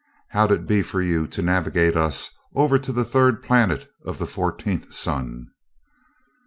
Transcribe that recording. How'd it be for you to navigate us over to the third planet of the fourteenth sun?"